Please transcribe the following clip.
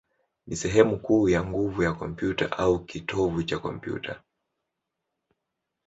ni sehemu kuu ya nguvu ya kompyuta, au kitovu cha kompyuta.